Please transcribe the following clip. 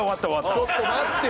ちょっと待ってよ